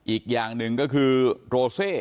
อีกอย่างหนึ่งก็คือโรเซ